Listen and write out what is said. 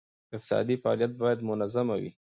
اقتصادي فعالیت باید منظمه وي.